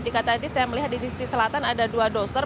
jika tadi saya melihat di sisi selatan ada dua doser